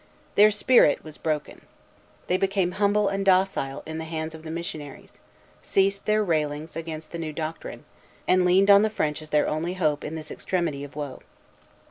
Their spirit was broken. They became humble and docile in the hands of the missionaries, ceased their railings against the new doctrine, and leaned on the French as their only hope in this extremity of woe.